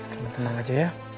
semakin baik saja ya